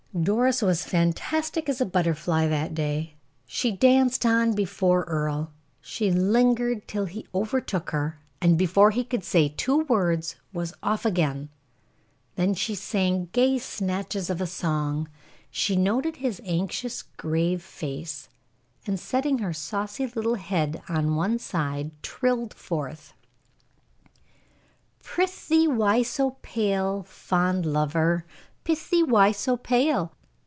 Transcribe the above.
Doris was fantastic as a butterfly that day. She danced on before Earle. She lingered till he overtook her, and before he could say two words, was off again. Then she sang gay snatches of song. She noted his anxious, grave face, and setting her saucy little head on one side, trilled forth: "Prithee, why so pale, fond lover, Prithee, why so pale?